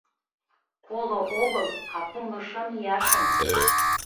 Коло огыл, а кумло шым ияшым.